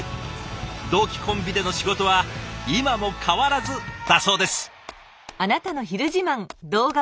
同期コンビでの仕事は今も変わらずだそうです。